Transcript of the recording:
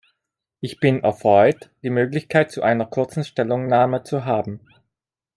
Ich bin erfreut, die Möglichkeit zu einer kurzen Stellungnahme zu haben.